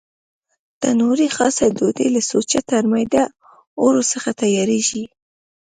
تنوري خاصه ډوډۍ له سوچه ترمیده اوړو څخه تیارېږي.